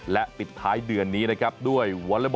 และปิดท้ายเดือนนี้นะครับด้วย